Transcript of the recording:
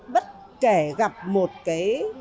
bất kể gặp một cái